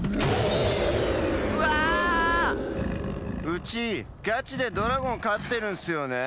うちガチでドラゴンかってるんすよね。